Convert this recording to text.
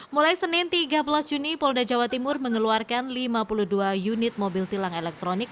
mulai senin tiga belas juni polda jawa timur mengeluarkan lima puluh dua unit mobil tilang elektronik